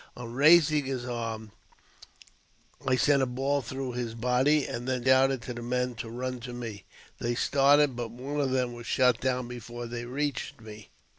On his raising his arm, I sent a b through his body, and then shouted to the men to run to me They started, but one of them w^as shot down before the; reached me.